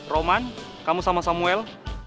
roman kamu sama samuel